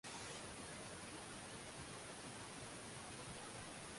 Anonymous Zinajulikana na kutumiwa kwa aina tofauti za